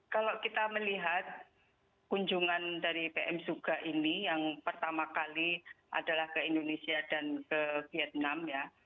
kalau kita melihat kunjungan dari pm suga ini yang pertama kali adalah ke indonesia dan ke vietnam ya